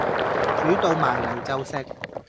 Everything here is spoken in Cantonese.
煮到埋嚟就食